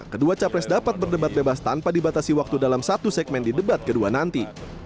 kedua capres dapat berdebat bebas tanpa dibatasi waktu dalam satu segmen di debat kedua nanti